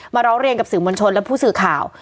ร้องเรียนกับสื่อมวลชนและผู้สื่อข่าว